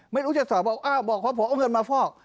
ไม่รู้จะต่อบอกเอ้าบอกพ่อเอาเงินมาฟอก